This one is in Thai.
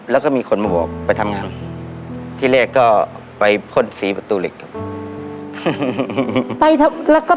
แล้วมีคนมาบอกไปทำงานที่เราก็ไปพ้นสีบตรูเล็กกับ